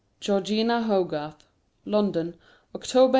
GEORGINA HOGARTH. LONDON: October, 1879.